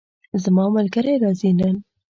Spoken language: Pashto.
زما ملګری راځي نن